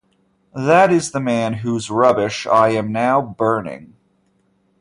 That is the man whose rubbish I am now burning.